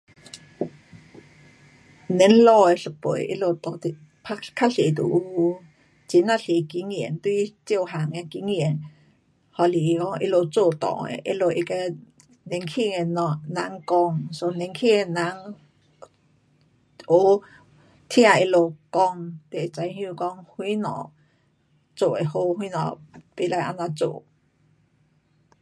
你老父一辈，他们到底，较多有很呀多经验。对每样的经验，还是讲他们做错的。他们会跟年轻的人，人讲，so 年轻的人学，听他们讲，就会知晓讲什么做会好，什么不可这样做。